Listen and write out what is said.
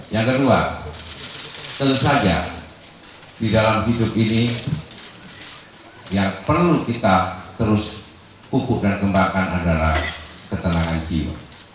yang kedua tentu saja di dalam hidup ini yang perlu kita terus ukur dan kembangkan adalah ketenangan jiwa